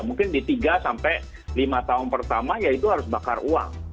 mungkin di tiga sampai lima tahun pertama yaitu harus bakar uang